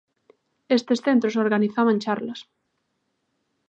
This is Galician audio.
Estes centros organizaban charlas.